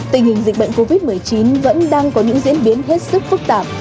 tình hình dịch bệnh covid một mươi chín vẫn đang có những diễn biến hết sức phức tạp